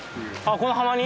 △この浜に？